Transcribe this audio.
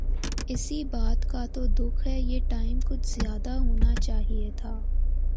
اسی بات کا تو دکھ ہے۔ یہ ٹائم کچھ زیادہ ہونا چاہئے تھا